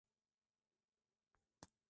مبهم ولایتونه هم د دوی حقه حقوق دي.